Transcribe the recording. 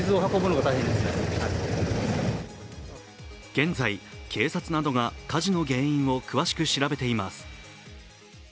現在、警察などが火事の原因を詳しく調べています。